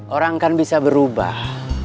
orang kan bisa berubah